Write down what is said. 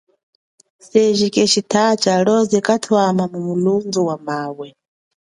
Seji keeshi tachi alioze kaathama mu milundu ya mawe.